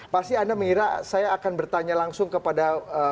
pasti anda mengira saya akan bertanya langsung kepada